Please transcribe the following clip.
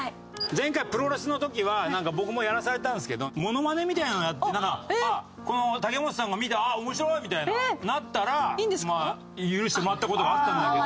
前回プロレスの時はなんか僕もやらされたんですけどモノマネみたいなのやって武元さんが見て「ああ面白い」みたいになったら許してもらった事があったんだけど。